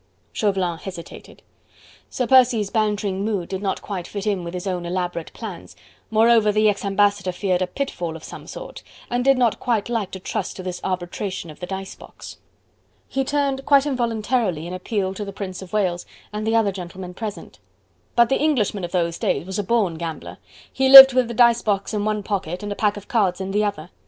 Chauvelin hesitated. Sir Percy's bantering mood did not quite fit in with his own elaborate plans, moreover the ex ambassador feared a pitfall of some sort, and did not quite like to trust to this arbitration of the dice box. He turned, quite involuntarily, in appeal to the Prince of Wales and the other gentlemen present. But the Englishman of those days was a born gambler. He lived with the dice box in one pocket and a pack of cards in the other.